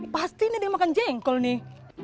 pasti nih dia makan jengkol nih